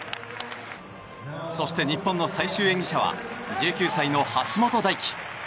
そして日本の最終演技者は１９歳の橋本大輝。